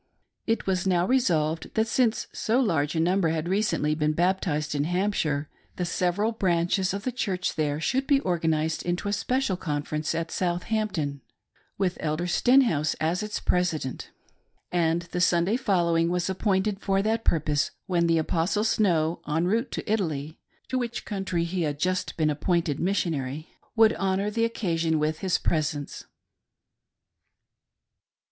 It was now resolved that since so large a number had recently been baptized in Hampshire, the several branches of the church there should be organised into a special confer ence at Southampton, with Elder Stenhouse as its president ; and the Sunday following was appointed for that purpose, when the Apostle Snow, en route to Italy — to which country he had just been appointed missionary — would honor the ocpasion with his presence.